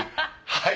はい！